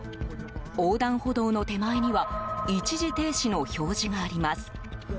横断歩道の手前には一時停止の表示があります。